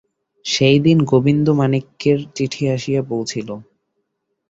সেইদিন গোবিন্দমাণিক্যের চিঠি আসিয়া পৌঁছিল।